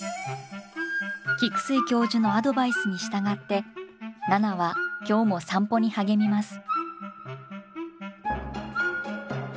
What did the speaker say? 菊水教授のアドバイスに従って奈々は今日も散歩に励みます。